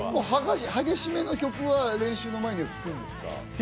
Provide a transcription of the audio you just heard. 激しめの曲は練習前に聞くんですか？